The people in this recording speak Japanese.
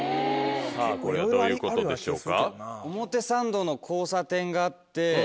これはどういうことでしょうか？